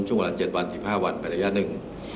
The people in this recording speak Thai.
ช่วงหลัง๗วัน๑๕วันปริญญาณหนึ่ง